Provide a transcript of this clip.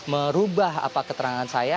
merubah apa keterangan saya